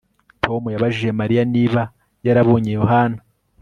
Tom yabajije Mariya niba yarabonye Yohana